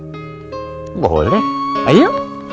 hai boleh ayo